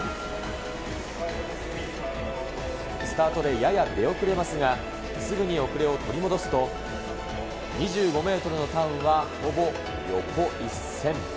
スタートでやや出遅れますが、すぐに遅れを取り戻すと、２５メートルのターンはほぼ横一線。